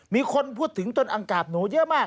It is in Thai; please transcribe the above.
มีคนพูดถึงจนอังกราบหนูเยอะมาก